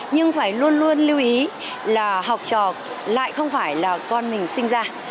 nhưng phải luôn luôn lưu ý là học trò lại không phải là con mình sinh ra